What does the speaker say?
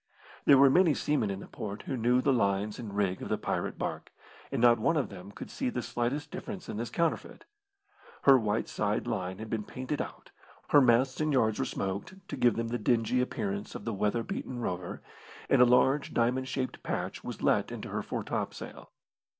There were many seamen in the port who knew the lines and rig of the pirate barque, and not one of them could see the slightest difference in this counterfeit. Her white side line had been painted out, her masts and yards were smoked, to give them the dingy appearance of the weather beaten rover, and a large diamond shaped patch was let into her foretopsail.